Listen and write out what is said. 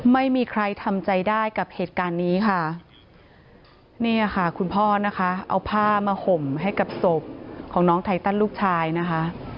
ไม่มีใครทำใจได้กับเหตุการณ์นี้ค่ะเนี่ยค่ะคุณพ่อนะคะเอาผ้ามาห่มให้กับศพของน้องไทตันลูกชายนะคะ